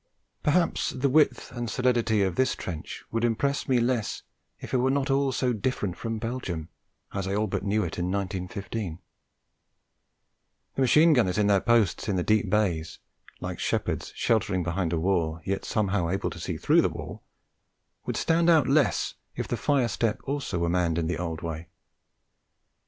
Perhaps the width and solidity of this trench would impress me less if it were not all so different from Belgium as I all but knew it in 1915; the machine gunners at their posts in the deep bays, like shepherds sheltering behind a wall, yet somehow able to see through the wall, would stand out less if the fire step also were manned in the old way.